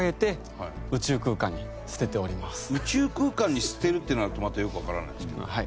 宇宙空間に捨てるってなるとまたよくわからないですけど。